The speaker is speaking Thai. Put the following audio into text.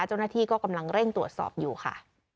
เจ้าหน้าที่ก็กำลังเร่งตรวจสอบอยู่ค่ะ